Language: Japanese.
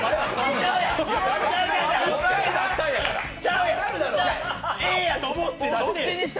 違うやん、Ａやと思って出して。